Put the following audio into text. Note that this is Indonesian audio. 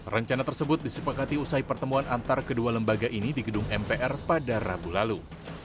rencana tersebut disepakati usai pertemuan antara kedua lembaga ini di gedung mpr pada rabu lalu